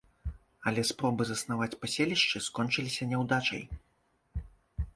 Але спробы заснаваць паселішчы скончыліся няўдачай.